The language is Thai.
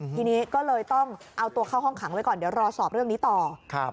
ทีนี้ก็เลยต้องเอาตัวเข้าห้องขังไว้ก่อนเดี๋ยวรอสอบเรื่องนี้ต่อ